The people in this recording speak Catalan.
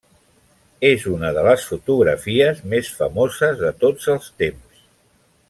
És una de les fotografies més famoses de tots els temps.